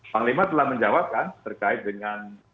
panglima telah menjawabkan terkait dengan